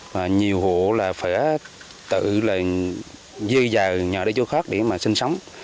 và nhiều hộ là phải tự là dư dào nhà đi chỗ khác để mà sinh sống